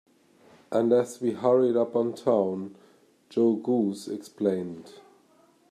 And as we hurried up town, Joe Goose explained.